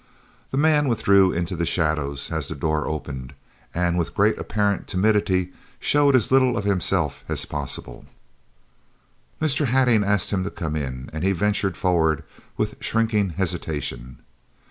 The man withdrew into the shadows as the door opened, and with great apparent timidity showed as little of himself as possible. Mr. Hattingh asked him to come in, and he ventured forward with shrinking hesitation.